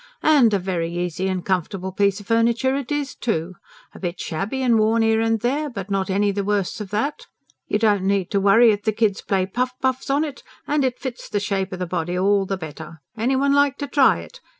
"And a very easy and comfortable piece o' furniture it is, too. A bit shabby and worn 'ere and there, but not any the worse of that. You don't need to worry if the kids play puff puffs on it; and it fits the shape o' the body all the better. Any one like to try it?